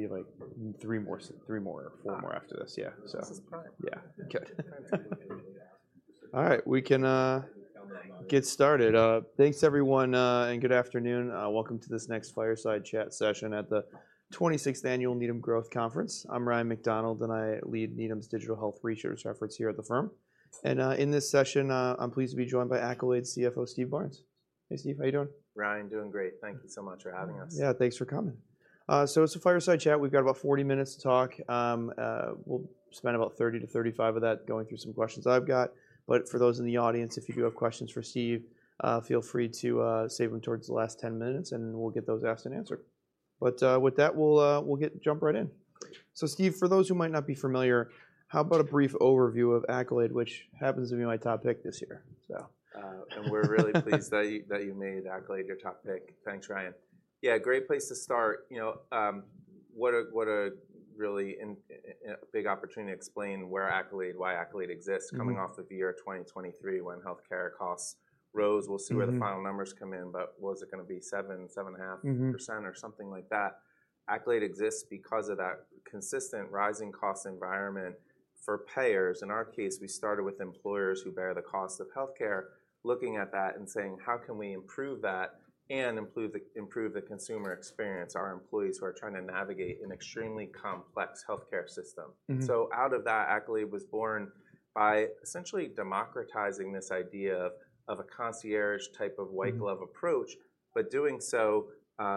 Yeah. Good. All right, we can get started. Thanks, everyone, and good afternoon. Welcome to this next fireside chat session at the 26th Annual Needham Growth Conference. I'm Ryan MacDonald, and I lead Needham's digital health research efforts here at the firm. In this session, I'm pleased to be joined by Accolade CFO, Steve Barnes. Hey, Steve. How you doing? Ryan, doing great. Thank you so much for having us. Yeah, thanks for coming. So it's a fireside chat. We've got about 40 minutes to talk. We'll spend about 30-35 of that going through some questions I've got, but for those in the audience, if you do have questions for Steve, feel free to save them towards the last 10 minutes, and we'll get those asked and answered. But with that, we'll jump right in. So Steve, for those who might not be familiar, how about a brief overview of Accolade, which happens to be my top pick this year, so, And we're really pleased that you, that you made Accolade your top pick. Thanks, Ryan. Yeah, great place to start. You know, what a really big opportunity to explain where Accolade, why Accolade exists- Mm-hmm.... coming off of the year 2023, when healthcare costs rose. Mm-hmm. We'll see where the final numbers come in, but was it gonna be 7%-7.5%- Mm-hmm... or something like that? Accolade exists because of that consistent rising cost environment for payers. In our case, we started with employers who bear the cost of healthcare, looking at that and saying: How can we improve that and improve the consumer experience, our employees who are trying to navigate an extremely complex healthcare system? Mm-hmm. So out of that, Accolade was born by essentially democratizing this idea of a concierge type of white glove- Mm-hmm... approach, but doing so,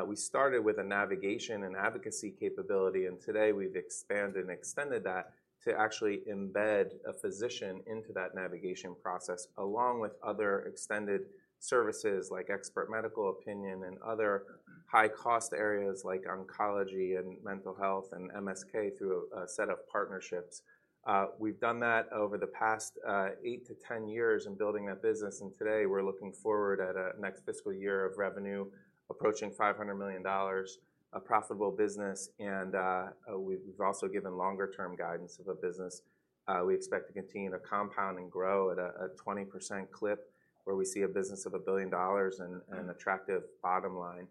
we started with a navigation and advocacy capability, and today we've expanded and extended that to actually embed a physician into that navigation process, along with other extended services, like expert medical opinion and other high-cost areas like oncology and mental health and MSK, through a set of partnerships. We've done that over the past 8-10 years in building that business, and today, we're looking forward at a next fiscal year of revenue approaching $500 million, a profitable business, and we've also given longer term guidance of a business. We expect to continue to compound and grow at a 20% clip, where we see a business of $1 billion and- Mm-hmm... an attractive bottom line.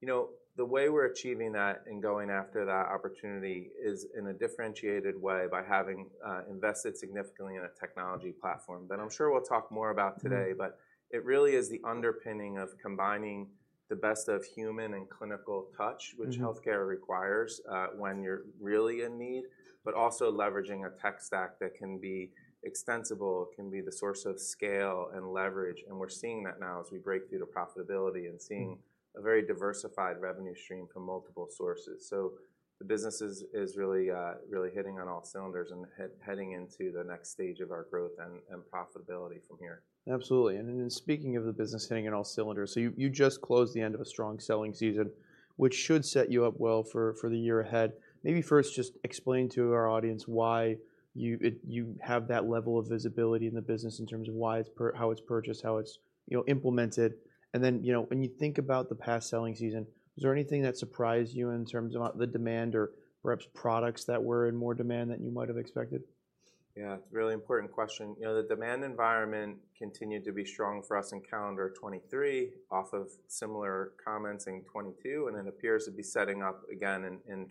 You know, the way we're achieving that and going after that opportunity is in a differentiated way by having invested significantly in a technology platform, that I'm sure we'll talk more about today. Mm-hmm. But it really is the underpinning of combining the best of human and clinical touch- Mm-hmm... which healthcare requires, when you're really in need, but also leveraging a tech stack that can be extensible, can be the source of scale and leverage, and we're seeing that now as we break through to profitability and seeing- Mm-hmm... a very diversified revenue stream from multiple sources. So the business is really, really hitting on all cylinders and heading into the next stage of our growth and profitability from here. Absolutely, and then speaking of the business hitting on all cylinders, so you just closed the end of a strong selling season, which should set you up well for the year ahead. Maybe first just explain to our audience why you have that level of visibility in the business in terms of why it's purchased, how it's, you know, implemented. And then, you know, when you think about the past selling season, was there anything that surprised you in terms of about the demand or perhaps products that were in more demand than you might have expected? Yeah, it's a really important question. You know, the demand environment continued to be strong for us in calendar 2023, off of similar comments in 2022, and it appears to be setting up again in, in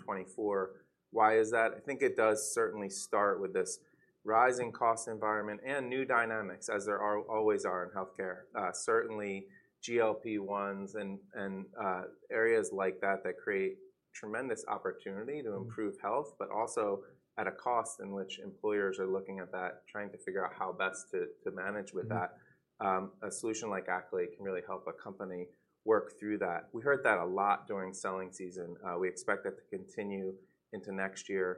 2024. Why is that? I think it does certainly start with this rising cost environment and new dynamics, as there are, always are in healthcare. Certainly, GLP-1s and areas like that, that create tremendous opportunity to improve- Mm... health, but also at a cost in which employers are looking at that, trying to figure out how best to manage with that. Mm-hmm. A solution like Accolade can really help a company work through that. We heard that a lot during selling season. We expect that to continue into next year.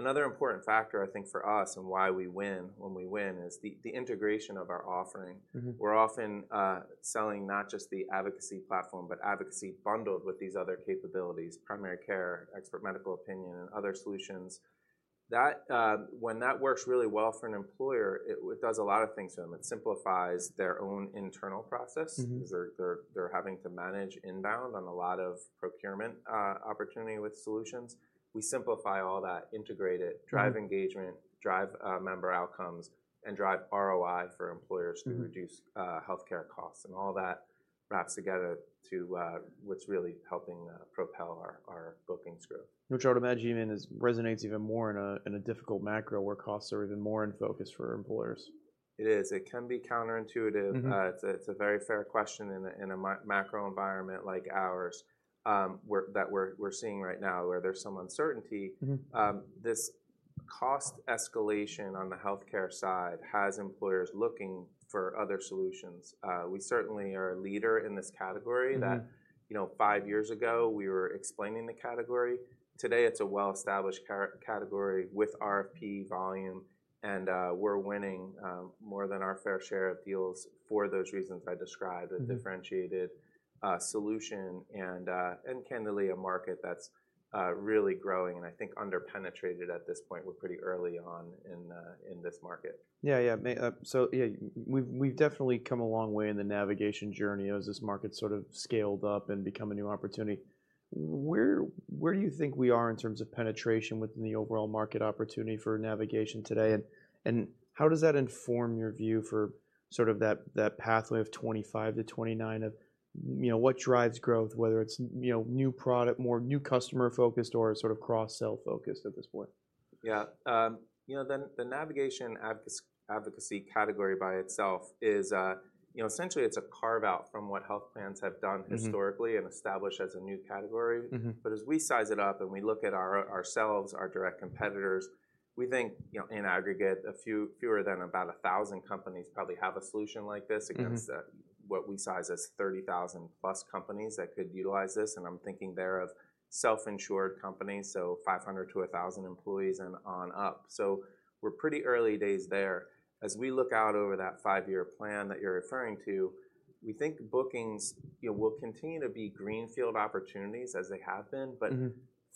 Another important factor, I think, for us and why we win when we win, is the integration of our offering. Mm-hmm. We're often selling not just the advocacy platform, but advocacy bundled with these other capabilities: primary care, expert medical opinion, and other solutions. That, when that works really well for an employer, it, it does a lot of things for them. It simplifies their own internal process- Mm-hmm... because they're having to manage inbound on a lot of procurement opportunity with solutions. We simplify all that, integrate it- Mm... drive engagement, drive member outcomes, and drive ROI for employers- Mm-hmm... to reduce healthcare costs, and all that wraps together to what's really helping propel our our bookings growth. Which I would imagine even resonates even more in a difficult macro, where costs are even more in focus for employers. It is. It can be counterintuitive. Mm-hmm. It's a very fair question in a macro environment like ours that we're seeing right now, where there's some uncertainty. Mm-hmm. This cost escalation on the healthcare side has employers looking for other solutions. We certainly are a leader in this category- Mm-hmm... that, you know, five years ago, we were explaining the category. Today, it's a well-established category with RFP volume, and we're winning more than our fair share of deals for those reasons I described- Mm-hmm... a differentiated solution, and candidly, a market that's really growing, and I think under-penetrated at this point. We're pretty early on in this market. Yeah. Yeah, so yeah, we've definitely come a long way in the navigation journey, as this market sort of scaled up and become a new opportunity. Where do you think we are in terms of penetration within the overall market opportunity for navigation today, and how does that inform your view for sort of that pathway of 25-29 of, you know, what drives growth, whether it's, you know, new product, more new customer focused or sort of cross-sell focused at this point?... Yeah, you know, the navigation advocacy category by itself is, you know, essentially it's a carve-out from what health plans have done- Mm-hmm... historically, and established as a new category. Mm-hmm. But as we size it up and we look at ourselves, our direct competitors, we think, you know, in aggregate, fewer than about 1,000 companies probably have a solution like this- Mm-hmm... against what we size as 30,000+ companies that could utilize this, and I'm thinking there of self-insured companies, so 500-1,000 employees and on up. So we're pretty early days there. As we look out over that 5-year plan that you're referring to, we think bookings, you know, will continue to be greenfield opportunities as they have been. Mm-hmm.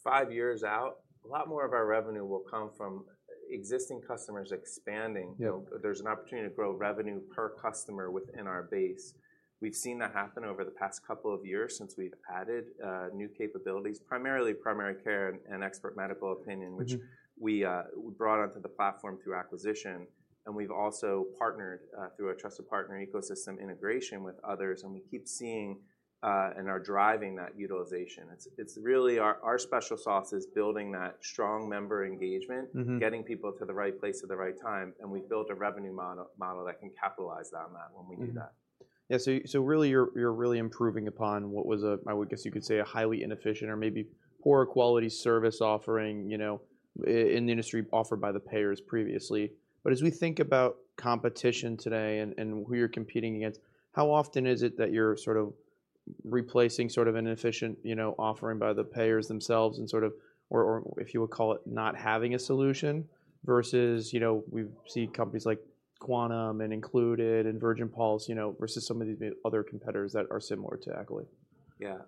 Five years out, a lot more of our revenue will come from existing customers expanding. Yep. You know, there's an opportunity to grow revenue per customer within our base. We've seen that happen over the past couple of years since we've added new capabilities, primarily primary care and, and expert medical opinion- Mm-hmm... which we brought onto the platform through acquisition, and we've also partnered through our Trusted Partner Ecosystem integration with others, and we keep seeing and are driving that utilization. It's really our special sauce is building that strong member engagement- Mm-hmm... getting people to the right place at the right time, and we've built a revenue model that can capitalize on that when we do that. Mm-hmm. Yeah, so, so really you're, you're really improving upon what was a, I would guess you could say, a highly inefficient or maybe poorer quality service offering, you know, in the industry offered by the payers previously. But as we think about competition today and, and who you're competing against, how often is it that you're sort of replacing sort of an inefficient, you know, offering by the payers themselves and sort of... or, or if you would call it, not having a solution, versus, you know, we've seen companies like Quantum Health and Included Health, and Virgin Pulse, you know, versus some of the other competitors that are similar to Accolade? Yeah.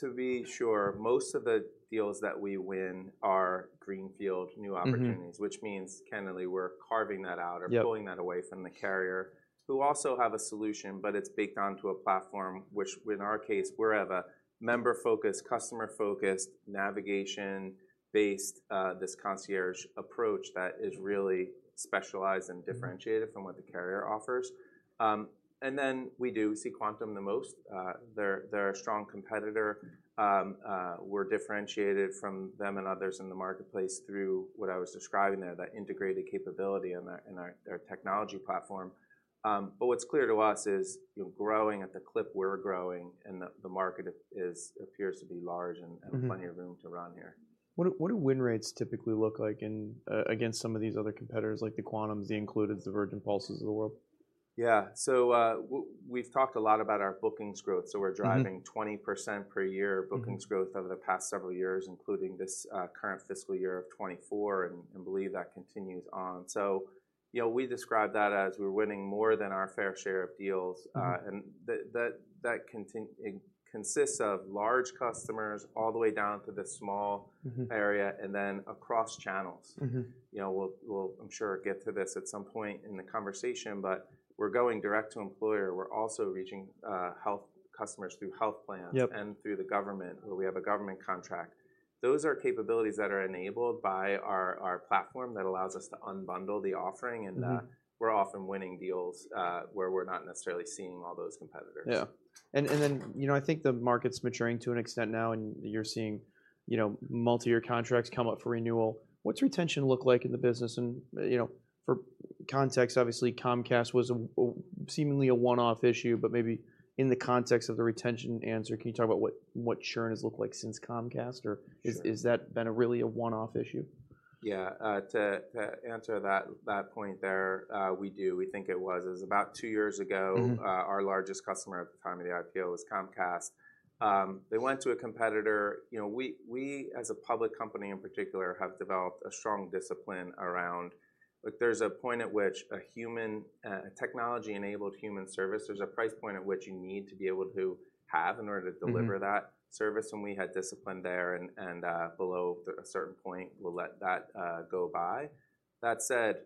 To be sure, most of the deals that we win are greenfield, new opportunities- Mm-hmm... which means, candidly, we're carving that out- Yep... or pulling that away from the carrier, who also have a solution, but it's baked onto a platform, which in our case, we're of a member-focused, customer-focused, navigation-based, this concierge approach that is really specialized and differentiated- Mm-hmm... from what the carrier offers. And then we do see Quantum the most. They're a strong competitor. We're differentiated from them and others in the marketplace through what I was describing there, that integrated capability and our technology platform. But what's clear to us is, you know, growing at the clip we're growing and the market is, appears to be large and- Mm-hmm... and plenty of room to run here. What do win rates typically look like in against some of these other competitors, like the Quantum Healths, the Included Healths, the Virgin Pulses of the world? Yeah. So, we've talked a lot about our bookings growth- Mm-hmm... so we're driving 20% per year- Mm-hmm... bookings growth over the past several years, including this current fiscal year of 2024, and believe that continues on. So, you know, we describe that as we're winning more than our fair share of deals. Mm-hmm. and it consists of large customers all the way down to the small- Mm-hmm... area and then across channels. Mm-hmm. You know, we'll, I'm sure, get to this at some point in the conversation, but we're going direct to employer. We're also reaching health customers through health plans- Yep... and through the government, who we have a government contract. Those are capabilities that are enabled by our platform that allows us to unbundle the offering, and Mm-hmm... we're often winning deals where we're not necessarily seeing all those competitors. Yeah. And then, you know, I think the market's maturing to an extent now, and you're seeing, you know, multi-year contracts come up for renewal. What's retention look like in the business? And, you know, for context, obviously, Comcast was a seemingly one-off issue, but maybe in the context of the retention answer, can you talk about what churn has looked like since Comcast, or- Sure... is, has that been a really one-off issue? Yeah. To answer that point there, we do. We think it was. It was about two years ago- Mm-hmm... our largest customer at the time of the IPO was Comcast. They went to a competitor. You know, we as a public company in particular have developed a strong discipline around... Like, there's a point at which a human technology-enabled human service, there's a price point at which you need to be able to have in order to deliver- Mm-hmm... that service, and we had discipline there. Below a certain point, we'll let that go by. That said,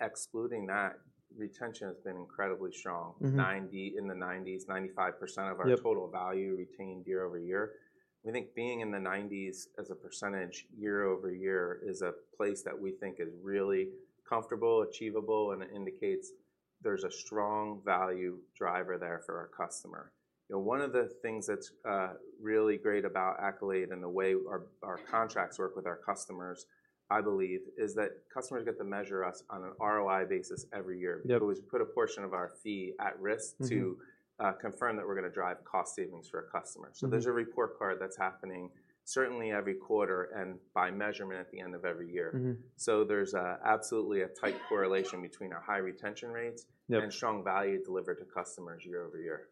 excluding that, retention has been incredibly strong. Mm-hmm. 90, in the 90s, 95% of our- Yep... total value retained year-over-year. We think being in the 90s as a percentage year-over-year is a place that we think is really comfortable, achievable, and it indicates there's a strong value driver there for our customer. You know, one of the things that's really great about Accolade and the way our contracts work with our customers, I believe, is that customers get to measure us on an ROI basis every year. Yep. We always put a portion of our fee at risk- Mm-hmm... to confirm that we're gonna drive cost savings for our customers. Mm-hmm. There's a report card that's happening certainly every quarter and by measurement, at the end of every year. Mm-hmm. So there's absolutely a tight correlation between our high retention rates- Yep... and strong value delivered to customers year over year.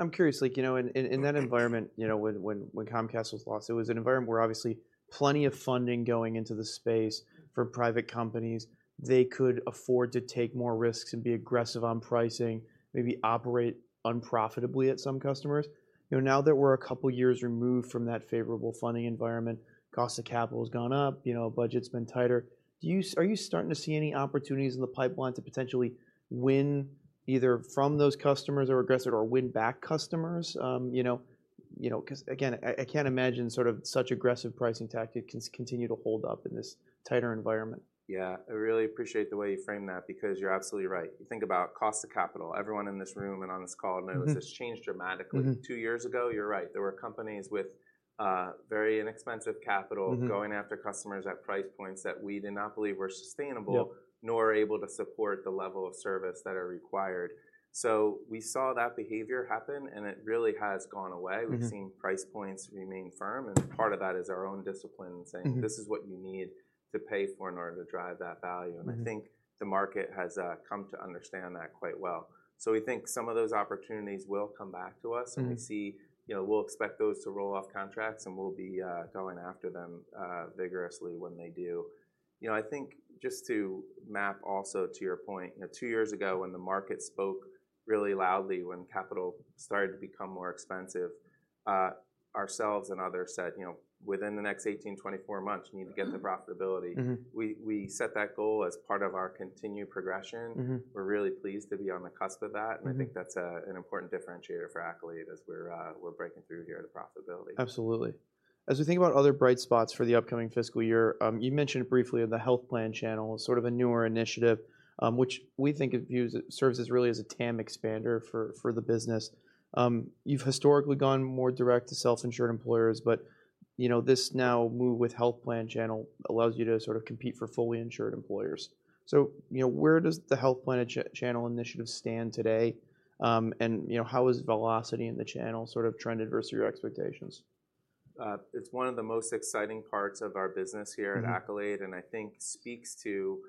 I'm curious, like, you know, in that environment, you know, when Comcast was lost, it was an environment where obviously plenty of funding going into the space for private companies. They could afford to take more risks and be aggressive on pricing, maybe operate unprofitably at some customers. You know, now that we're a couple of years removed from that favorable funding environment, cost of capital has gone up, you know, budget's been tighter, do you—are you starting to see any opportunities in the pipeline to potentially win either from those customers or aggressive or win back customers? You know, you know, 'cause again, I, I can't imagine sort of such aggressive pricing tactic can continue to hold up in this tighter environment. Yeah, I really appreciate the way you framed that because you're absolutely right. You think about cost of capital. Everyone in this room and on this call knows- Mm-hmm... this changed dramatically. Mm-hmm. Two years ago, you're right, there were companies with very inexpensive capital. Mm-hmm. Going after customers at price points that we did not believe were sustainable- Yep. Nor able to support the level of service that are required. So we saw that behavior happen, and it really has gone away. Mm-hmm. We've seen price points remain firm, and part of that is our own discipline- Mm-hmm... saying, "This is what you need to pay for in order to drive that value. Mm-hmm. And I think the market has come to understand that quite well. So we think some of those opportunities will come back to us. Mm. We see, you know, we'll expect those to roll off contracts, and we'll be going after them vigorously when they do. You know, I think just to map also to your point, you know, two years ago when the market spoke really loudly, when capital started to become more expensive, ourselves and others said, "You know, within the next 18, 24 months, we need to- Mm... get into profitability. Mm-hmm. We set that goal as part of our continued progression. Mm-hmm. We're really pleased to be on the cusp of that. Mm-hmm. I think that's an important differentiator for Accolade as we're breaking through here to profitability. Absolutely. As we think about other bright spots for the upcoming fiscal year, you mentioned briefly the health plan channel, sort of a newer initiative, which we think of as serves as really as a TAM expander for the business. You've historically gone more direct to self-insured employers, but, you know, this new move with health plan channel allows you to sort of compete for fully insured employers. So, you know, where does the health plan channel initiative stand today, and, you know, how is velocity in the channel sort of trended versus your expectations? It's one of the most exciting parts of our business here at Accolade- Mm... and I think speaks to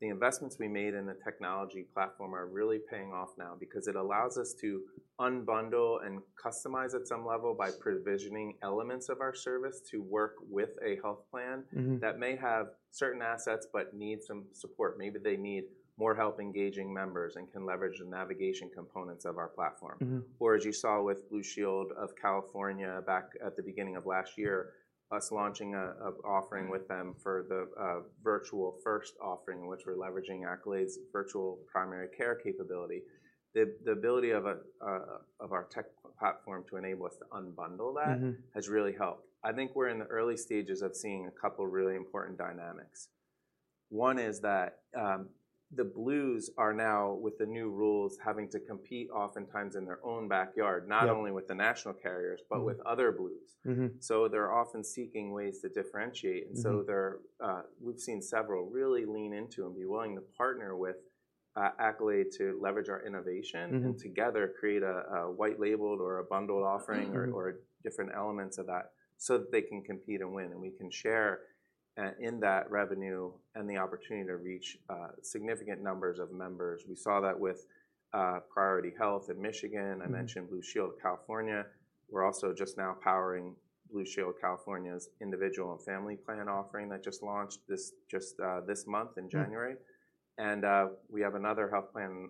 the investments we made in the technology platform are really paying off now because it allows us to unbundle and customize at some level by provisioning elements of our service to work with a health plan- Mm-hmm... that may have certain assets but need some support. Maybe they need more help engaging members and can leverage the navigation components of our platform. Mm-hmm. Or as you saw with Blue Shield of California back at the beginning of last year, us launching a offering with them for the virtual-first offering, which we're leveraging Accolade's virtual primary care capability. The ability of our tech platform to enable us to unbundle that- Mm-hmm... has really helped. I think we're in the early stages of seeing a couple of really important dynamics. One is that, the Blues are now, with the new rules, having to compete oftentimes in their own backyard- Yep... not only with the national carriers, but with other Blues. Mm-hmm. So they're often seeking ways to differentiate. Mm-hmm. And so they're, we've seen several really lean into and be willing to partner with Accolade to leverage our innovation- Mm-hmm... and together create a white labeled or a bundled offering- Mm-hmm... or different elements of that so that they can compete and win, and we can share in that revenue and the opportunity to reach significant numbers of members. We saw that with Priority Health in Michigan. Mm-hmm. I mentioned Blue Shield of California. We're also just now powering Blue Shield of California's individual and family plan offering that just launched this month in January. Mm. We have another health plan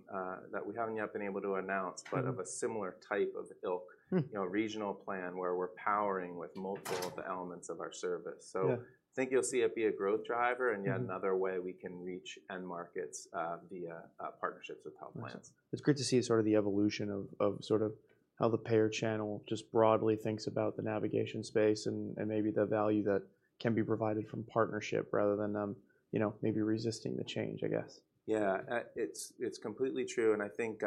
that we haven't yet been able to announce. Mm... but of a similar type of ilk. Hmm. You know, regional plan where we're powering with multiple of the elements of our service. Yeah. I think you'll see it be a growth driver- Mm... and yet another way we can reach end markets via partnerships with health plans. It's great to see sort of the evolution of sort of how the payer channel just broadly thinks about the navigation space and maybe the value that can be provided from partnership rather than them, you know, maybe resisting the change, I guess. Yeah. It's completely true, and I think,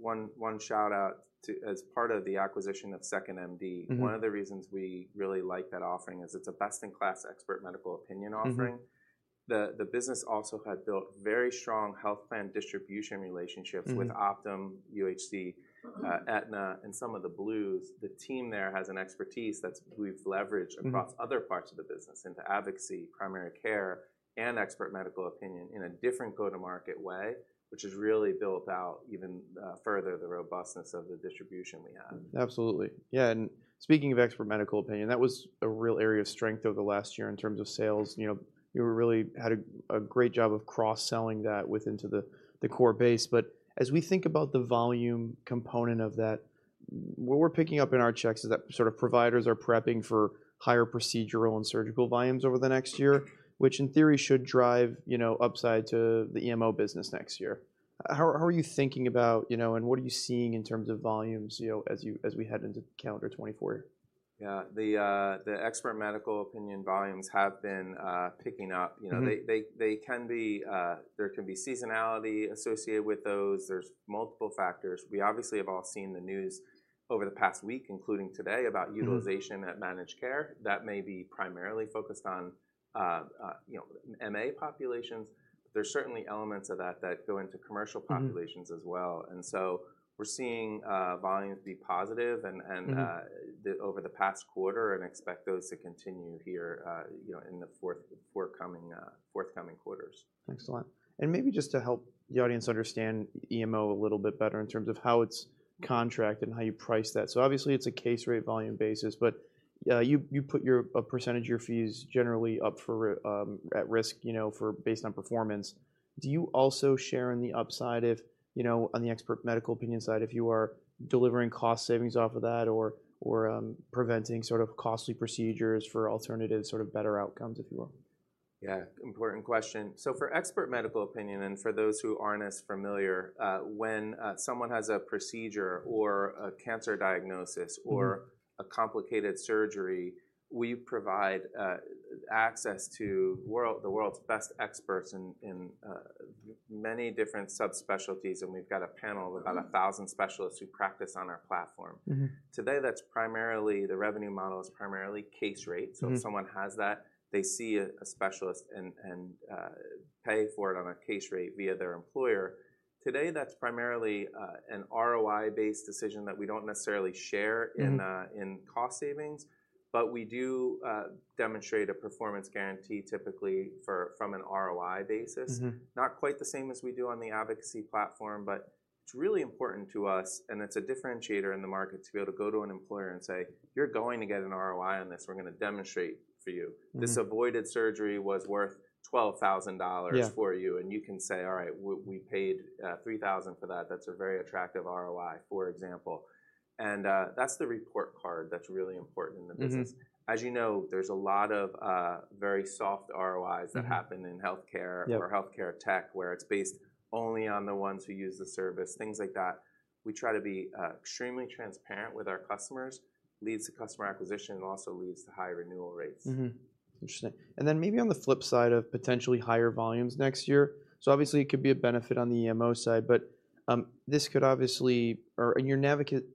one shout-out to... as part of the acquisition of 2nd.MD. Mm-hmm. One of the reasons we really like that offering is it's a best-in-class, expert medical opinion offering. Mm-hmm. The business also had built very strong health plan distribution relationships- Mm... with Optum, UHC, Aetna, and some of the Blues. The team there has an expertise that's we've leveraged- Mm... across other parts of the business into advocacy, primary care, and expert medical opinion in a different go-to-market way, which has really built out even further the robustness of the distribution we have. Absolutely. Yeah, and speaking of expert medical opinion, that was a real area of strength over the last year in terms of sales. You know, you really had a great job of cross-selling that with into the core base. But as we think about the volume component of that, what we're picking up in our checks is that sort of providers are prepping for higher procedural and surgical volumes over the next year, which in theory should drive, you know, upside to the EMO business next year. How are you thinking about, you know, and what are you seeing in terms of volumes, you know, as we head into calendar 2024? Yeah. The expert medical opinion volumes have been picking up. Mm-hmm. You know, they can be, there can be seasonality associated with those. There's multiple factors. We obviously have all seen the news over the past week, including today, about utilization- Mm... and managed care. That may be primarily focused on, you know, MA populations, but there's certainly elements of that, that go into commercial populations- Mm... as well. And so we're seeing volumes be positive and Mm... over the past quarter and expect those to continue here, you know, in the forthcoming quarters. Excellent. Maybe just to help the audience understand EMO a little bit better in terms of how it's contracted and how you price that. Obviously, it's a case rate volume basis, but you put your a percentage of your fees generally up for at risk, you know, for based on performance. Do you also share in the upside if, you know, on the expert medical opinion side, if you are delivering cost savings off of that or preventing sort of costly procedures for alternative sort of better outcomes, if you will?... Yeah, important question. So for expert medical opinion, and for those who aren't as familiar, when someone has a procedure or a cancer diagnosis- Mm-hmm. or a complicated surgery, we provide access to the world's best experts in many different subspecialties, and we've got a panel of- Mm-hmm. about 1,000 specialists who practice on our platform. Mm-hmm. Today, that's primarily the revenue model is primarily case rate. Mm-hmm. So if someone has that, they see a specialist and pay for it on a case rate via their employer. Today, that's primarily an ROI-based decision that we don't necessarily share in- Mm-hmm... in cost savings, but we do demonstrate a performance guarantee, typically, from an ROI basis. Mm-hmm. Not quite the same as we do on the advocacy platform, but it's really important to us, and it's a differentiator in the market to be able to go to an employer and say: "You're going to get an ROI on this. We're gonna demonstrate for you. Mm-hmm. This avoided surgery was worth $12,000- Yeah... for you," and you can say, "All right, we paid $3,000 for that. That's a very attractive ROI," for example. That's the report card that's really important in the business. Mm-hmm. As you know, there's a lot of very soft ROIs- Mm-hmm... that happen in healthcare- Yep... or healthcare tech, where it's based only on the ones who use the service, things like that. We try to be, extremely transparent with our customers, leads to customer acquisition and also leads to high renewal rates. Mm-hmm. Interesting. And then maybe on the flip side of potentially higher volumes next year, so obviously, it could be a benefit on the EMO side, but this could obviously or in your navigation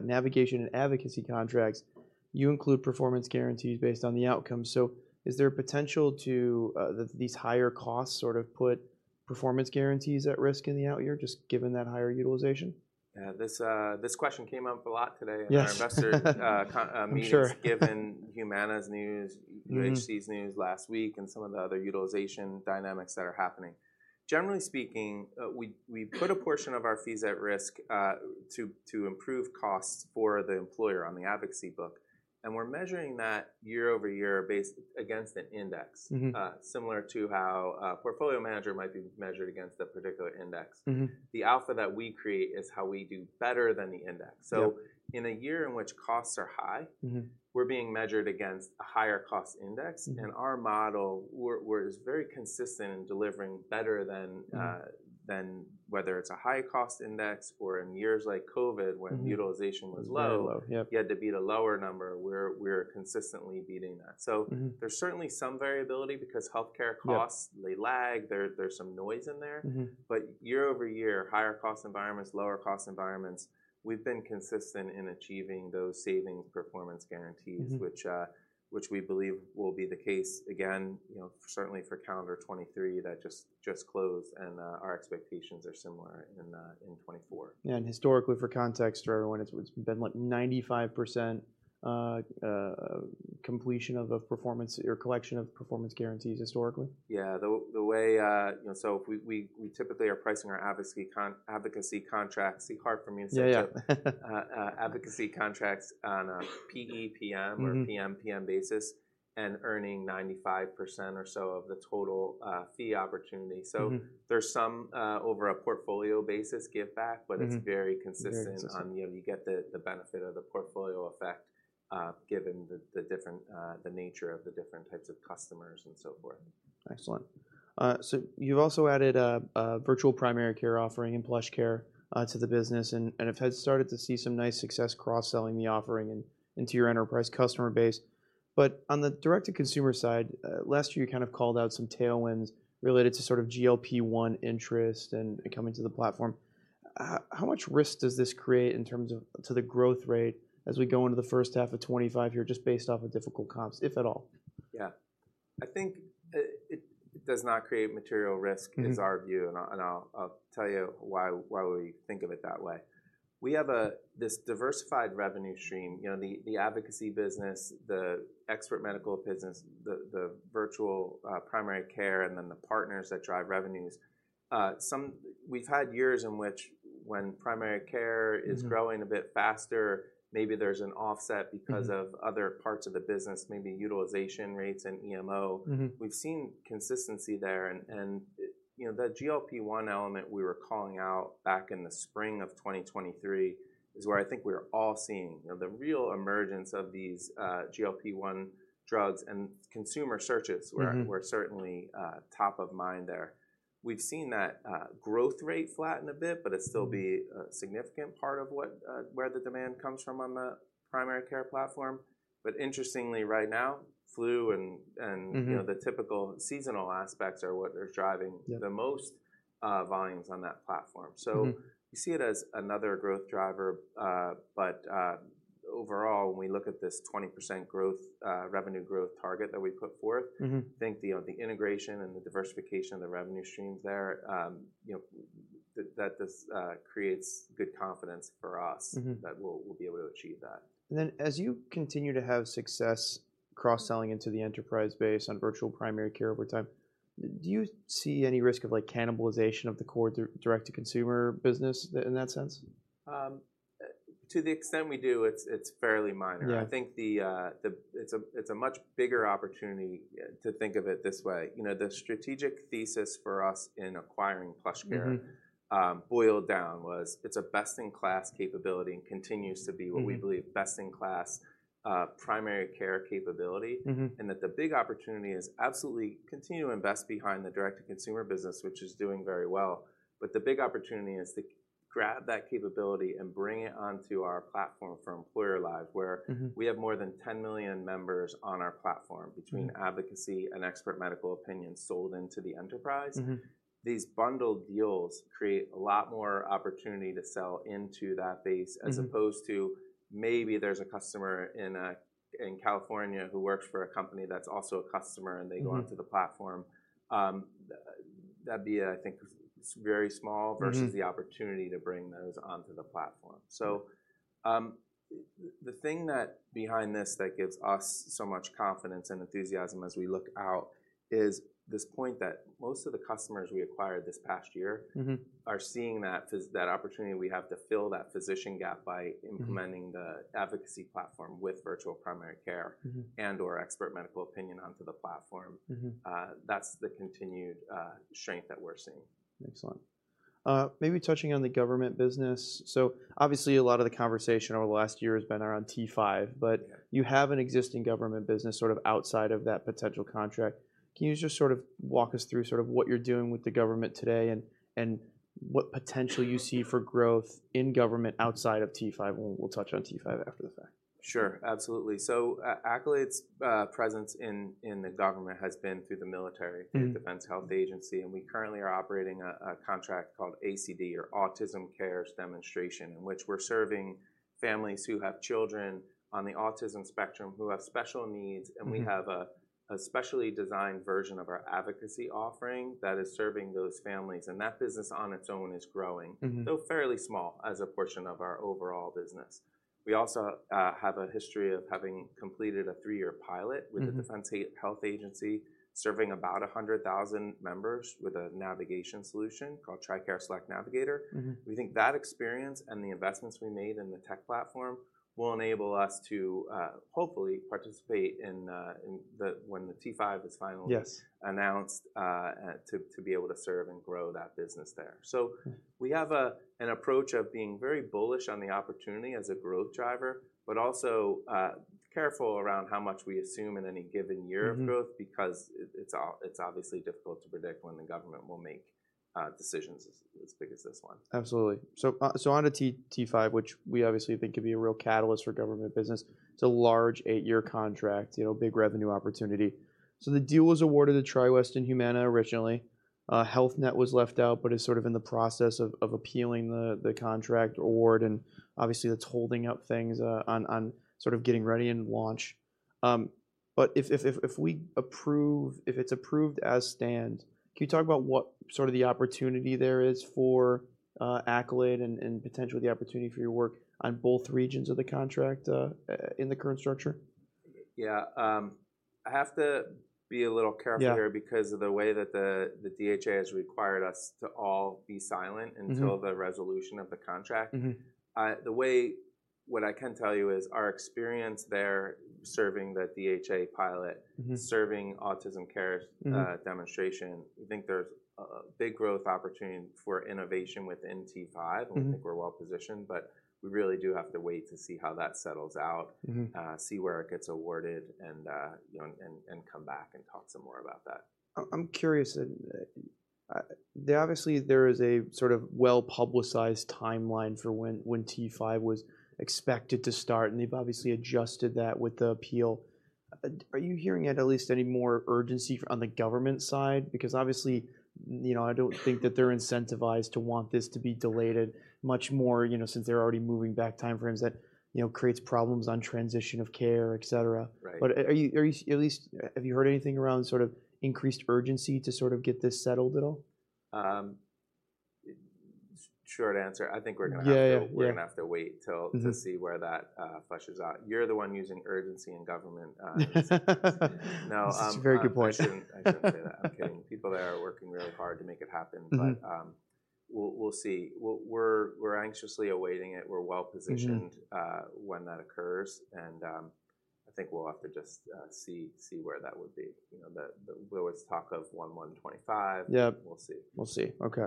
and advocacy contracts, you include performance guarantees based on the outcome. So is there a potential to these higher costs sort of put performance guarantees at risk in the out year, just given that higher utilization? Yeah, this question came up a lot today- Yes.... in our investor con meetings- I'm sure. Given Humana's news- Mm-hmm... UHC's news last week, and some of the other utilization dynamics that are happening. Generally speaking, we put a portion of our fees at risk, to improve costs for the employer on the advocacy book, and we're measuring that year-over-year, based against an index. Mm-hmm. Similar to how a portfolio manager might be measured against a particular index. Mm-hmm. The alpha that we create is how we do better than the index. Yep. In a year in which costs are high- Mm-hmm... we're being measured against a higher cost index. Mm-hmm. Our model, we're very consistent in delivering better than Mm-hmm... than whether it's a high-cost index or in years like COVID- Mm-hmm... when utilization was low. Very low, yep. You had to beat a lower number. We're consistently beating that. Mm-hmm. So there's certainly some variability because healthcare costs- Yeah... they lag. There, there's some noise in there. Mm-hmm. But year-over-year, higher-cost environments, lower-cost environments, we've been consistent in achieving those savings performance guarantees- Mm-hmm... which we believe will be the case again, you know, certainly for calendar 2023, that just closed, and our expectations are similar in 2024. Yeah, and historically, for context for everyone, it's been, like, 95% completion of the performance or collection of performance guarantees historically? Yeah. The way, you know, so we typically are pricing our advocacy contracts. See, hard for me to say it. Yeah, yeah. Advocacy contracts on a PEPM- Mm-hmm... or PMPM basis, and earning 95% or so of the total fee opportunity. Mm-hmm. So there's some over a portfolio basis, give back- Mm-hmm... but it's very consistent- Very consistent... on, you know, you get the benefit of the portfolio effect, given the different nature of the different types of customers and so forth. Excellent. So you've also added a virtual primary care offering in PlushCare to the business, and have had started to see some nice success cross-selling the offering into your enterprise customer base. But on the direct-to-consumer side, last year, you kind of called out some tailwinds related to sort of GLP-1 interest and coming to the platform. How much risk does this create in terms of to the growth rate as we go into the first half of 2025 here, just based off of difficult comps, if at all? Yeah. I think it does not create material risk- Mm-hmm... is our view, and I'll tell you why we think of it that way. We have this diversified revenue stream, you know, the advocacy business, the expert medical business, the virtual primary care, and then the partners that drive revenues. We've had years in which when primary care- Mm-hmm... is growing a bit faster, maybe there's an offset because of- Mm-hmm... other parts of the business, maybe utilization rates and EMO. Mm-hmm. We've seen consistency there, and, you know, that GLP-1 element we were calling out back in the spring of 2023 is where I think we're all seeing, you know, the real emergence of these GLP-1 drugs, and consumer searches- Mm-hmm... were certainly top of mind there. We've seen that growth rate flatten a bit, but it still be- Mm-hmm... a significant part of what, where the demand comes from on the primary care platform. But interestingly, right now, flu and... Mm-hmm... you know, the typical seasonal aspects are what are driving- Yeah... the most volumes on that platform. Mm-hmm. So we see it as another growth driver, but overall, when we look at this 20% growth, revenue growth target that we put forth- Mm-hmm... think, you know, the integration and the diversification of the revenue streams there, you know, that this creates good confidence for us- Mm-hmm... that we'll be able to achieve that. And then, as you continue to have success cross-selling into the enterprise base on virtual primary care over time, do you see any risk of, like, cannibalization of the core direct-to-consumer business, in that sense? ... To the extent we do, it's fairly minor. Yeah. I think it's a much bigger opportunity to think of it this way. You know, the strategic thesis for us in acquiring PlushCare- Mm-hmm... boiled down was, it's a best-in-class capability and continues to be- Mm-hmm... what we believe best-in-class, primary care capability. Mm-hmm. And that the big opportunity is absolutely continue to invest behind the direct-to-consumer business, which is doing very well. But the big opportunity is to grab that capability and bring it onto our platform for employer life, where- Mm-hmm... we have more than 10 million members on our platform between- Mm... advocacy and expert medical opinion sold into the enterprise. Mm-hmm. These bundled deals create a lot more opportunity to sell into that base- Mm... as opposed to maybe there's a customer in California who works for a company that's also a customer, and they go- Mm-hmm... onto the platform. That'd be a, I think, very small- Mm-hmm... versus the opportunity to bring those onto the platform. So, the thing that behind this that gives us so much confidence and enthusiasm as we look out is this point that most of the customers we acquired this past year- Mm-hmm... are seeing that that opportunity we have to fill that physician gap by implementing- Mm-hmm... the advocacy platform with virtual primary care- Mm-hmm... and/or expert medical opinion onto the platform. Mm-hmm. That's the continued strength that we're seeing. Excellent. Maybe touching on the government business, so obviously a lot of the conversation over the last year has been around T-5, but- Yeah... you have an existing government business sort of outside of that potential contract. Can you just sort of walk us through sort of what you're doing with the government today and what potential you see for growth in government outside of T-5? We'll touch on T-5 after the fact. Sure, absolutely. So Accolade's presence in the government has been through the military- Mm... Defense Health Agency, and we currently are operating a contract called ACD, or Autism Care Demonstration, in which we're serving families who have children on the autism spectrum who have special needs. Mm-hmm. We have a specially designed version of our advocacy offering that is serving those families, and that business on its own is growing- Mm-hmm... though fairly small as a portion of our overall business. We also have a history of having completed a three-year pilot- Mm-hmm... with the Defense Health Agency, serving about 100,000 members with a navigation solution called TRICARE Select Navigator. Mm-hmm. We think that experience and the investments we made in the tech platform will enable us to hopefully participate in the... when the T-5 is finally- Yes... announced to be able to serve and grow that business there. So we have an approach of being very bullish on the opportunity as a growth driver, but also careful around how much we assume in any given year of growth- Mm-hmm... because it, it's obviously difficult to predict when the government will make decisions as big as this one. Absolutely. So, onto T-5, which we obviously think could be a real catalyst for government business. It's a large eight-year contract, you know, big revenue opportunity. So the deal was awarded to TriWest and Humana originally. Health Net was left out, but is sort of in the process of appealing the contract award, and obviously that's holding up things on sort of getting ready and launch. But if it's approved as is, can you talk about what sort of the opportunity there is for Accolade and potentially the opportunity for your work on both regions of the contract in the current structure? Yeah. I have to be a little careful here- Yeah... because of the way that the DHA has required us to all be silent until- Mm-hmm... the resolution of the contract. Mm-hmm. What I can tell you is our experience there, serving the DHA pilot. Mm-hmm... serving Autism Cares, Mm... Demonstration, we think there's a big growth opportunity for innovation within T-5. Mm-hmm. We think we're well-positioned, but we really do have to wait to see how that settles out. Mm-hmm. See where it gets awarded, and you know, come back and talk some more about that. I'm curious. There obviously is a sort of well-publicized timeline for when T-5 was expected to start, and they've obviously adjusted that with the appeal. Are you hearing at least any more urgency from on the government side? Because obviously, you know, I don't think that they're incentivized to want this to be delayed at much more, you know, since they're already moving back timeframes that, you know, creates problems on transition of care, et cetera. Right. But are you, are you at least...? Have you heard anything around sort of increased urgency to sort of get this settled at all? Short answer, I think we're gonna have to- Yeah, yeah... we're gonna have to wait till- Mm-hmm... to see where that fleshes out. You're the one using urgency in government... No, It's a very good point. I shouldn't say that. I'm kidding. People there are working really hard to make it happen. Mm-hmm. But we'll see. We're anxiously awaiting it. We're well-positioned- Mm-hmm... when that occurs, and I think we'll have to just see where that would be. You know, the lowest talk of $125. Yeah. We'll see. We'll see. Okay.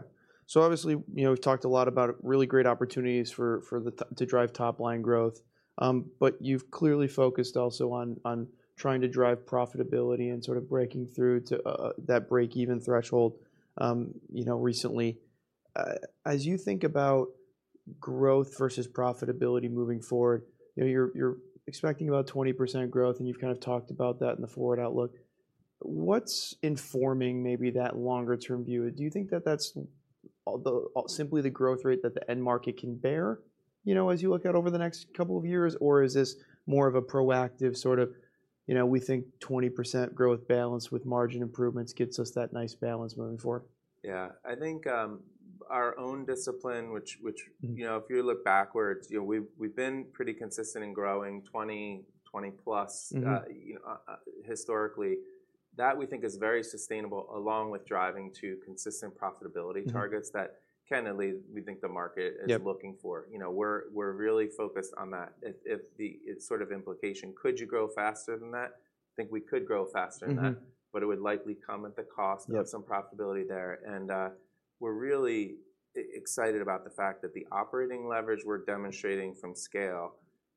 So obviously, you know, we've talked a lot about really great opportunities for Accolade to drive top-line growth. But you've clearly focused also on trying to drive profitability and sort of breaking through to that break-even threshold, you know, recently. As you think about growth versus profitability moving forward, you know, you're expecting about 20% growth, and you've kind of talked about that in the forward outlook, what's informing maybe that longer-term view? Do you think that that's simply the growth rate that the end market can bear, you know, as you look out over the next couple of years, or is this more of a proactive sort of, you know, we think 20% growth balanced with margin improvements gets us that nice balance moving forward? Yeah, I think, our own discipline, which Mm... you know, if you look backwards, you know, we've, we've been pretty consistent in growing 20, 20+. Mm-hmm... historically. That we think is very sustainable, along with driving to consistent profitability targets- Mm... that candidly, we think the market is looking for. Yep. You know, we're really focused on that. If it's sort of implication, could you grow faster than that? I think we could grow faster than that- Mm-hmm... but it would likely come at the cost- Yep... of some profitability there. And we're really excited about the fact that the operating leverage we're demonstrating from scale,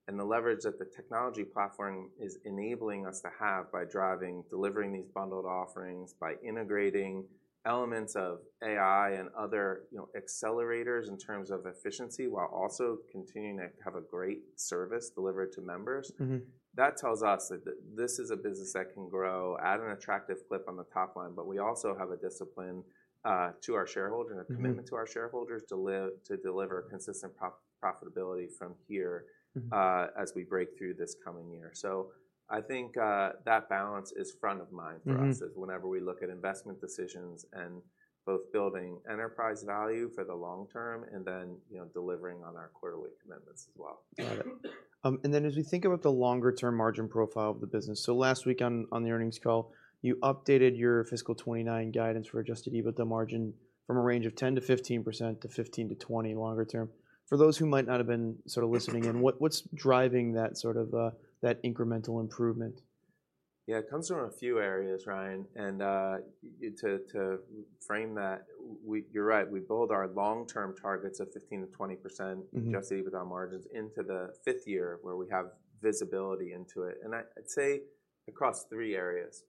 and the leverage that the technology platform is enabling us to have by driving, delivering these bundled offerings, by integrating elements of AI and other, you know, accelerators in terms of efficiency, while also continuing to have a great service delivered to members- Mm-hmm... That tells us that this is a business that can grow at an attractive clip on the top line, but we also have a discipline to our shareholder- Mm-hmm... and a commitment to our shareholders to live to deliver consistent profitability from here. Mm-hmm... as we break through this coming year. So I think that balance is front of mind for us- Mm-hmm... is whenever we look at investment decisions and both building enterprise value for the long term and then, you know, delivering on our quarterly commitments as well. Got it. And then as we think about the longer term margin profile of the business, so last week on the earnings call, you updated your fiscal 2029 guidance for Adjusted EBITDA margin from a range of 10%-15% to 15%-20% longer term. For those who might not have been sort of listening in, what, what's driving that sort of, that incremental improvement? Yeah, it comes from a few areas, Ryan, and to frame that, we... You're right, we bold our long-term targets of 15%-20%. Mm-hmm... Adjusted EBITDA margins into the fifth year, where we have visibility into it, and I'd say across three areas.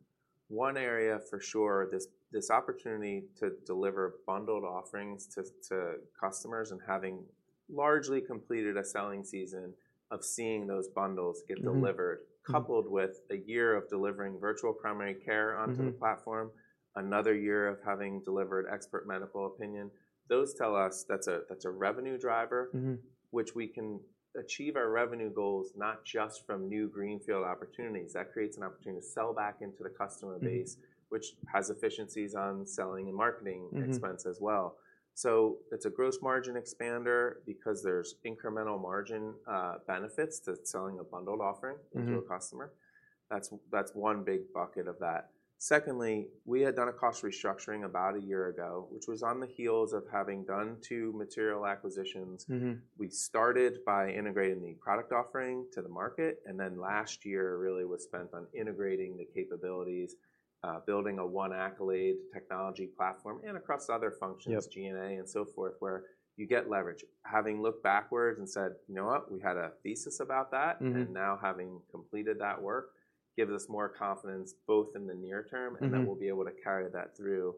One area, for sure, this opportunity to deliver bundled offerings to customers and having largely completed a selling season of seeing those bundles get delivered- Mm-hmm, mm... coupled with a year of delivering virtual primary care onto the platform- Mm-hmm... another year of having delivered expert medical opinion. Those tell us that's a, that's a revenue driver- Mm-hmm... which we can achieve our revenue goals, not just from new greenfield opportunities. That creates an opportunity to sell back into the customer base- Mm... which has efficiencies on selling and marketing expense as well. Mm-hmm. So it's a gross margin expander because there's incremental margin benefits to selling a bundled offering- Mm-hmm... to a customer. That's, that's one big bucket of that. Secondly, we had done a cost restructuring about a year ago, which was on the heels of having done two material acquisitions. Mm-hmm. We started by integrating the product offering to the market, and then last year really was spent on integrating the capabilities, building a one Accolade technology platform and across other functions- Yep... G&A and so forth, where you get leverage. Having looked backwards and said, "You know what? We had a thesis about that"- Mm-hmm... "and now having completed that work gives us more confidence, both in the near term- Mm-hmm... and that we'll be able to carry that through."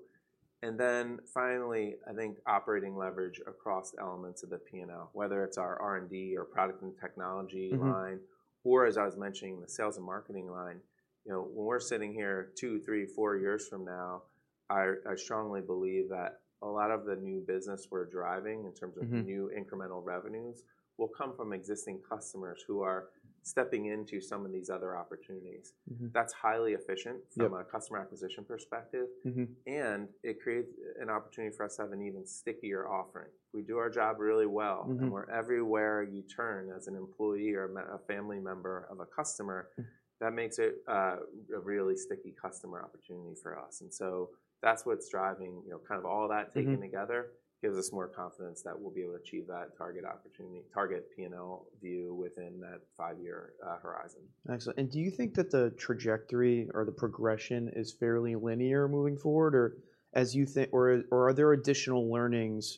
Then finally, I think operating leverage across elements of the P&L, whether it's our R&D or product and technology line- Mm-hmm... or, as I was mentioning, the sales and marketing line. You know, when we're sitting here 2, 3, 4 years from now, I, I strongly believe that a lot of the new business we're driving in terms of- Mm-hmm... new incremental revenues, will come from existing customers who are stepping into some of these other opportunities. Mm-hmm. That's highly efficient- Yep... from a customer acquisition perspective- Mm-hmm... and it creates an opportunity for us to have an even stickier offering. We do our job really well- Mm-hmm... and we're everywhere you turn as an employee or a family member of a customer- Mm ... that makes it a really sticky customer opportunity for us. And so that's what's driving, you know, kind of all of that taken together- Mm-hmm... gives us more confidence that we'll be able to achieve that target opportunity, target P&L view within that five-year horizon. Excellent. Do you think that the trajectory or the progression is fairly linear moving forward? Or as you think, are there additional learnings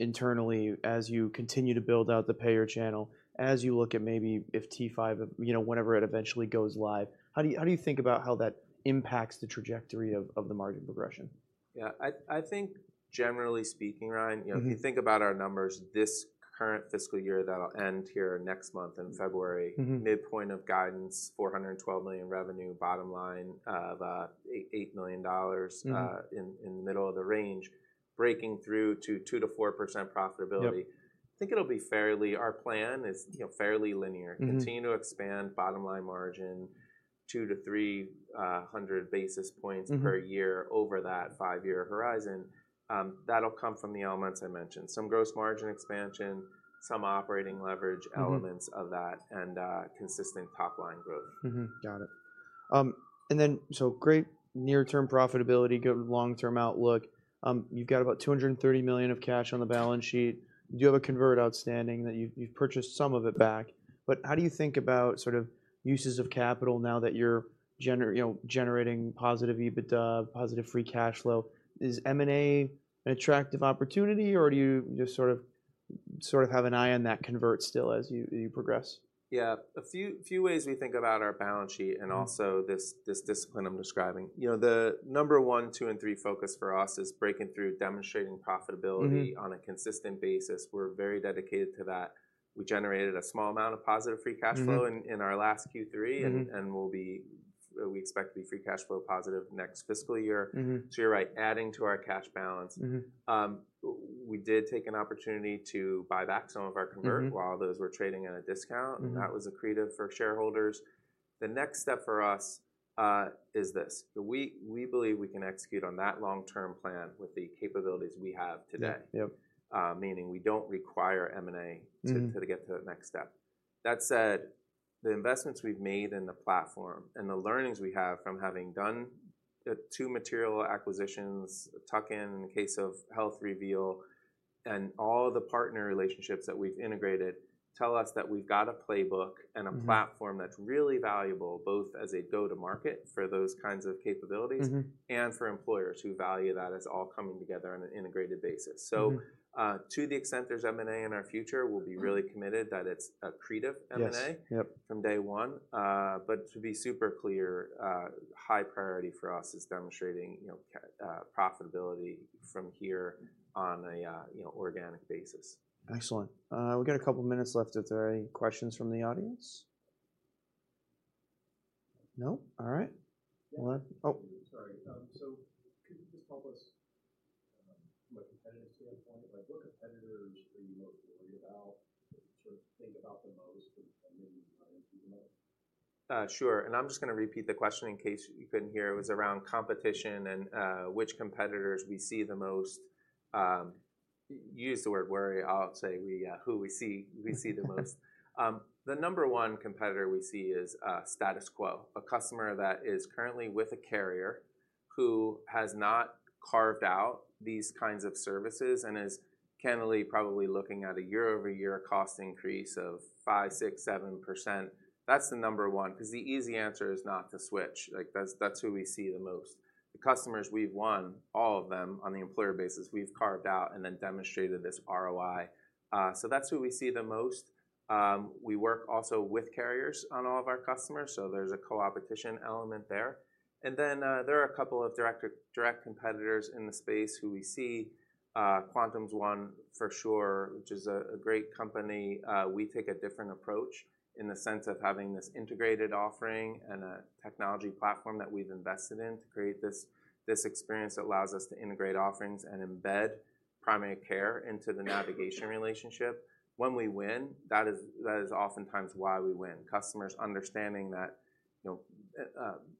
internally as you continue to build out the payer channel, as you look at maybe if T-5, you know, whenever it eventually goes live, how do you, how do you think about how that impacts the trajectory of, of the margin progression? Yeah, I think generally speaking, Ryan- Mm-hmm... you know, if you think about our numbers this current fiscal year that'll end here next month in February- Mm-hmm ...midpoint of guidance, $412 million revenue, bottom line of $8 million- Mm... in the middle of the range, breaking through to 2%-4% profitability. Yep. I think it'll be fairly... Our plan is, you know, fairly linear. Mm-hmm. Continue to expand bottom line margin 200-300 basis points. Mm-hmm... per year over that five-year horizon. That'll come from the elements I mentioned, some gross margin expansion, some operating leverage elements- Mm-hmm... of that, and consistent top-line growth. Mm-hmm. Got it. And then, so great near-term profitability, good long-term outlook. You've got about $230 million of cash on the balance sheet. You have a convert outstanding, that you've purchased some of it back. But how do you think about sort of uses of capital now that you're, you know, generating positive EBITDA, positive free cash flow? Is M&A an attractive opportunity, or do you just sort of have an eye on that convert still as you progress? Yeah, a few ways we think about our balance sheet- Mm-hmm... and also this, this discipline I'm describing. You know, the number one, two, and three focus for us is breaking through, demonstrating profitability- Mm-hmm... on a consistent basis. We're very dedicated to that. We generated a small amount of positive free cash flow- Mm-hmm... in our last Q3- Mm-hmm... and we'll be, we expect to be free cash flow positive next fiscal year. Mm-hmm. You're right, adding to our cash balance. Mm-hmm. We did take an opportunity to buy back some of our convert- Mm-hmm... while those were trading at a discount- Mm-hmm... and that was accretive for shareholders. The next step for us is this: we believe we can execute on that long-term plan with the capabilities we have today. Yep. meaning we don't require M&A- Mm. to, to get to the next step. That said, the investments we've made in the platform and the learnings we have from having done the two material acquisitions, tuck-in, in the case of HealthReveal, and all the partner relationships that we've integrated, tell us that we've got a playbook. Mm. and a platform that's really valuable, both as a go-to-market for those kinds of capabilities. Mm-hmm. For employers who value that as all coming together on an integrated basis. Mm-hmm. To the extent there's M&A in our future, we'll be really committed that it's accretive M&A- Yes. Yep... from day one. But to be super clear, high priority for us is demonstrating, you know, profitability from here on a, you know, organic basis. Excellent. We've got a couple of minutes left if there are any questions from the audience. No? All right. Well, oh. Sorry. So could you just help us from a competitive standpoint, like, what competitors are you most worried about or think about the most when maybe running through the model? Sure. And I'm just gonna repeat the question in case you couldn't hear. It was around competition and which competitors we see the most. You used the word worry, I'll say we, who we see, we see the most. The number one competitor we see is status quo. A customer that is currently with a carrier, who has not carved out these kinds of services, and is candidly probably looking at a year-over-year cost increase of 5%, 6%, 7%. That's the number one, 'cause the easy answer is not to switch. Like, that's, that's who we see the most. The customers we've won, all of them, on the employer basis, we've carved out and then demonstrated this ROI. So that's who we see the most. We work also with carriers on all of our customers, so there's a co-opetition element there. And then, there are a couple of direct, direct competitors in the space who we see. Quantum's one for sure, which is a great company. We take a different approach in the sense of having this integrated offering and a technology platform that we've invested in to create this experience that allows us to integrate offerings and embed primary care into the navigation relationship. When we win, that is oftentimes why we win. Customers understanding that, you know,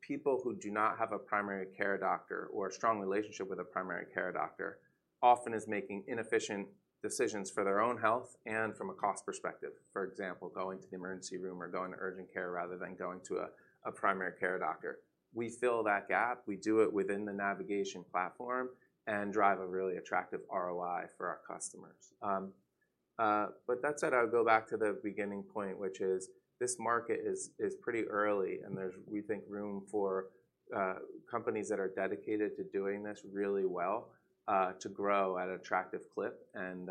people who do not have a primary care doctor or a strong relationship with a primary care doctor, often is making inefficient decisions for their own health and from a cost perspective. For example, going to the emergency room or going to urgent care rather than going to a primary care doctor. We fill that gap, we do it within the navigation platform, and drive a really attractive ROI for our customers. But that said, I would go back to the beginning point, which is this market is pretty early, and there's, we think, room for companies that are dedicated to doing this really well, to grow at an attractive clip, and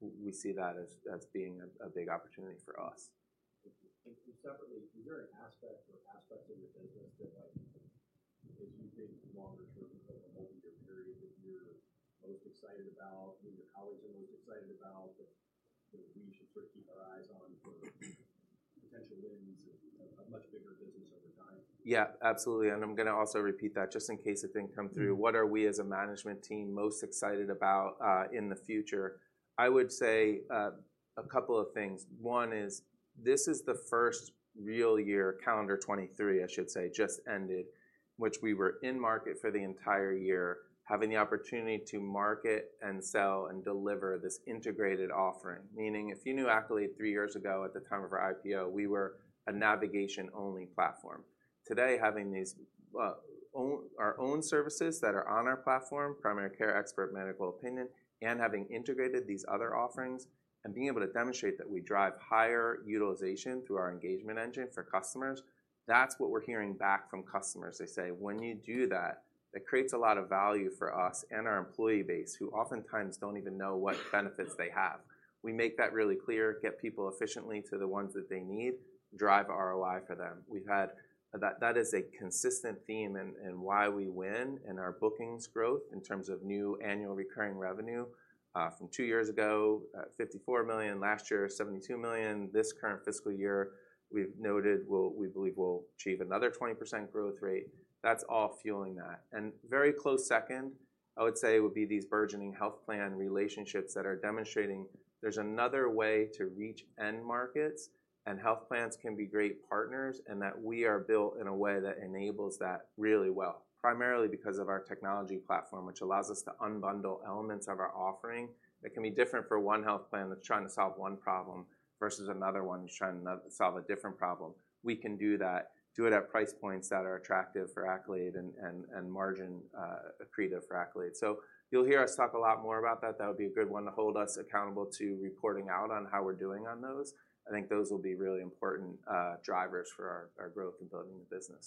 we see that as being a big opportunity for us. Separately, is there an aspect or aspects of your business that, like, as you think longer term over a multi-year period, that you're most excited about, or your colleagues are most excited about, that, you know, we should sort of keep our eyes on for potential wins and a much bigger business over time? Yeah, absolutely, and I'm gonna also repeat that just in case it didn't come through. What are we as a management team most excited about in the future? I would say a couple of things. One is, this is the first real year, calendar 2023, I should say, just ended, which we were in market for the entire year, having the opportunity to market and sell and deliver this integrated offering. Meaning, if you knew Accolade three years ago at the time of our IPO, we were a navigation-only platform. Today, having these our own services that are on our platform, primary care, expert medical opinion, and having integrated these other offerings, and being able to demonstrate that we drive higher utilization through our engagement engine for customers, that's what we're hearing back from customers. They say, "When you do that, it creates a lot of value for us and our employee base, who oftentimes don't even know what benefits they have." We make that really clear, get people efficiently to the ones that they need, drive ROI for them. That is a consistent theme in why we win in our bookings growth in terms of new annual recurring revenue. From two years ago, $54 million, last year, $72 million. This current fiscal year, we've noted, we believe we'll achieve another 20% growth rate. That's all fueling that. And very close second, I would say, would be these burgeoning health plan relationships that are demonstrating there's another way to reach end markets, and health plans can be great partners, and that we are built in a way that enables that really well. Primarily because of our technology platform, which allows us to unbundle elements of our offering, that can be different for one health plan that's trying to solve one problem, versus another one that's trying to solve a different problem. We can do that, do it at price points that are attractive for Accolade and margin accretive for Accolade. So you'll hear us talk a lot more about that. That would be a good one to hold us accountable to reporting out on how we're doing on those. I think those will be really important drivers for our growth in building the business.